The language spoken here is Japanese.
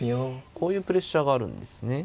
こういうプレッシャーがあるんですね。